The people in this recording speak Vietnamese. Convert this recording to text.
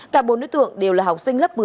cả bốn đối tượng đều là học sinh lớp một mươi